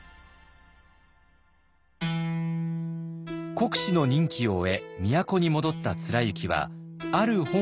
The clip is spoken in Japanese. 国司の任期を終え都に戻った貫之はある本を書き始めます。